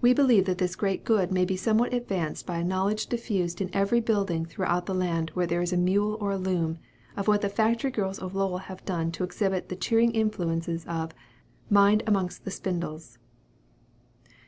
We believe that this great good may be somewhat advanced by a knowledge diffused in every building throughout the land where there is a mule or a loom, of what the factory girls of Lowell have done to exhibit the cheering influences of "MIND AMONGST THE SPINDLES."